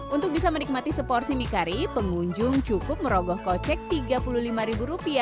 untuk bisa menikmati seporsi mie kari pengunjung cukup merogoh kocek rp tiga puluh lima